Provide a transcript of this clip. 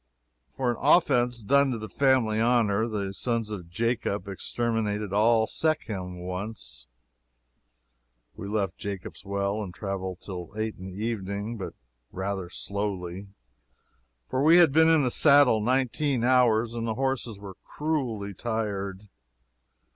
For an offense done to the family honor, the sons of Jacob exterminated all Shechem once. We left Jacob's Well and traveled till eight in the evening, but rather slowly, for we had been in the saddle nineteen hours, and the horses were cruelly tired.